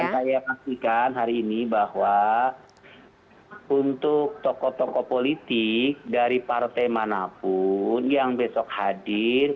dan saya pastikan hari ini bahwa untuk tokoh tokoh politik dari partai manapun yang besok hadir